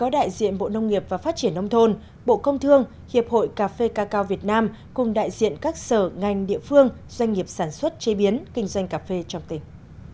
đại diện bộ nông nghiệp và phát triển nông thôn bộ công thương hiệp hội cà phê cà cao việt nam cùng đại diện các sở ngành địa phương doanh nghiệp sản xuất chế biến kinh doanh cà phê trong tỉnh